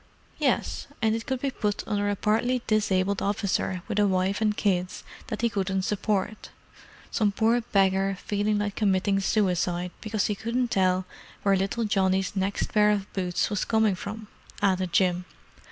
"Yes, and it could be put under a partly disabled officer with a wife and kids that he couldn't support—some poor beggar feeling like committing suicide because he couldn't tell where little Johnny's next pair of boots was coming from!" added Jim.